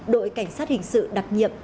đội cảnh sát hình sự đặc nhiệm